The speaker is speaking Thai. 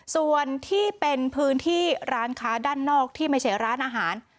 ส่วนที่เป็นพื้นที่ร้านค้าด้านนอกที่ไม่ใช่ร้านอาหาร